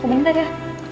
aku bentar ya